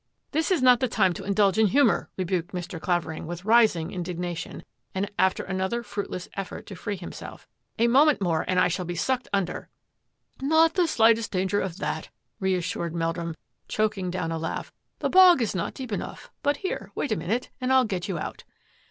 " This is not the time to indulge in humour," rebuked Mr. Clavering with rising indignation, after another fruitless effort to free himself. " A moment more and I shall be sucked under." " Not the slightest danger of that," reassured Meldrum, choking down a laugh, " the bog is not deep enough; but here, wait a minute and I'll get you out."